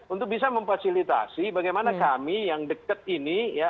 untuk bisa memfasilitasi bagaimana kami yang dekat ini ya